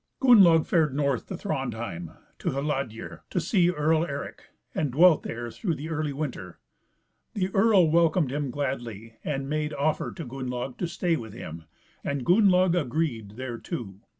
Gunnlaug fared north to Thrandheim, to Hladir, to see Earl Eric, and dwelt there through the early winter; the earl welcomed him gladly, and made offer to Gunnlaug to stay with him, and Gunnlaug agreed thereto.